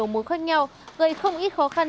mối khác nhau gây không ít khó khăn